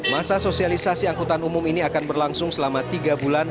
masa sosialisasi angkutan umum ini akan berlangsung selama tiga bulan